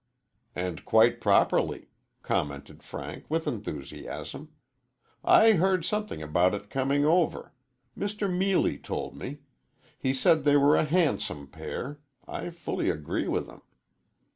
"And quite properly," commented Frank with enthusiasm. "I heard something about it coming over. Mr. Meelie told me. He said they were a handsome pair. I fully agree with him."